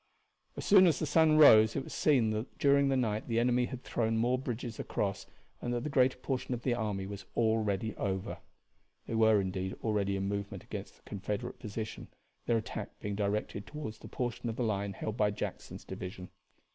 As soon as the sun rose it was seen that during the night the enemy had thrown more bridges across and that the greater portion of the army was already over. They were, indeed, already in movement against the Confederate position, their attack being directed toward the portion of the line held by Jackson's division.